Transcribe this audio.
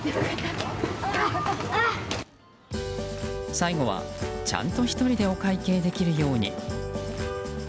最後はちゃんと１人でお会計できるように。